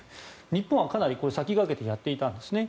日本はかなり先駆けてやっていたんですね。